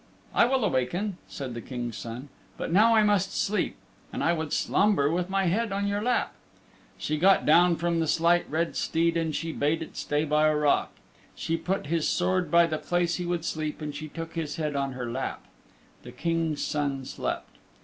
"I will awaken," said the King's Son, "but now I must sleep, and I would slumber with my head on your lap." She got down from the Slight Red Steed and she bade it stay by a rock; she put his sword by the place he would sleep and she took his head upon her lap. The King's Son slept.